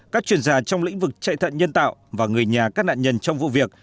các chuyên gia trong lĩnh vực chạy thận nhân tạo và người nhà các nạn nhân trong vụ việc